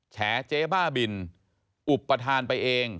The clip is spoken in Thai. แฉะเจฟ่าบิลอุบประธานไปเอง